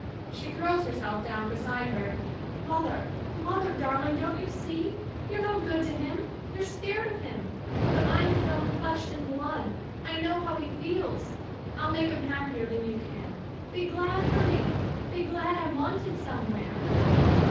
iShe throws herself down beside herJ] Mother 1 Mother darling, don't you see? You're no good to him. You're scared of him. But I'm his own flesh and blood. I know how he feels. I'll make him happier than you can. Be glad for me. Be glad I'm wanted somewhere.